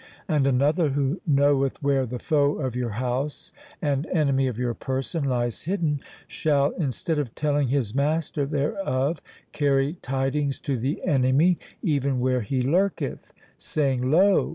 And another, who knoweth where the foe of your house, and enemy of your person, lies hidden, shall, instead of telling his master thereof, carry tidings to the enemy even where he lurketh, saying, 'Lo!